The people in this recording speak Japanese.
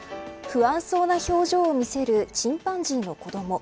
不安そうな表情を見せるチンパンジーの子ども。